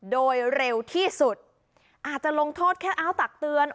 โดยเร็วที่สุดอาจจะลงโทษแค่อ้าวตักเตือน